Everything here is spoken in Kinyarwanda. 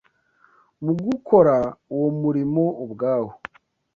mu gukora uwo murimo ubwawo